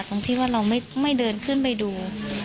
ตรงที่ว่าเราไม่เดินขึ้นไปดู